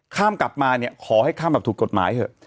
ข้ามกลับมาเนี่ยขอให้ข้ามแบบถูกกฎหมายเถอะ